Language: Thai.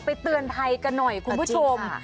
เตือนภัยกันหน่อยคุณผู้ชม